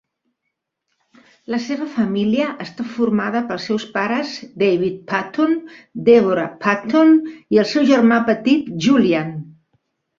La seva família està formada pels seus pares David Patton, Deborah Patton i el seu germà petit Julian.